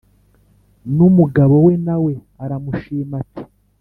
n’umugabo we na we aramushima ati